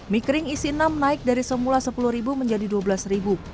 mie kering isi enam naik dari semula sepuluh ribu menjadi dua belas ribu